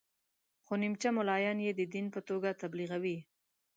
خو نیمچه ملایان یې د دین په توګه تبلیغوي.